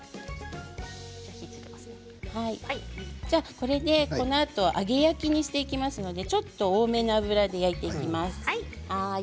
これで、このあと揚げ焼きにしていきますのでちょっと多めの油で焼いていきます。